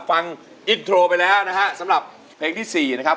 ฟังอินโทรไปแล้วนะฮะสำหรับเพลงที่๔นะครับ